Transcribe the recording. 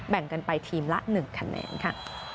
แบ่งกันไปทีมละ๑คะแนนค่ะ